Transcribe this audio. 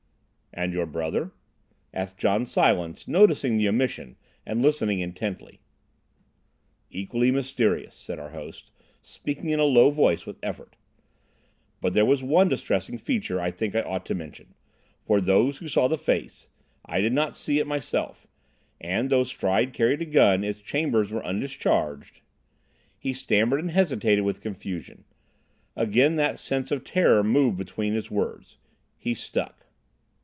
"And your brother?" asked John Silence, noticing the omission, and listening intently. "Equally mysterious," said our host, speaking in a low voice with effort. "But there was one distressing feature I think I ought to mention. For those who saw the face—I did not see it myself—and though Stride carried a gun its chambers were undischarged—" He stammered and hesitated with confusion. Again that sense of terror moved between his words. He stuck.